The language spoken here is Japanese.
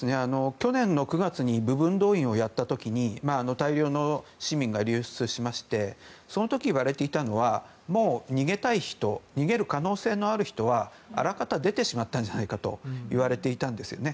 去年９月に部分動員をやった時に大量の市民が流出しましてその時いわれていたのはもう、逃げたい人逃げる可能性のある人はあらかた出てしまったんじゃないかといわれていたんですね。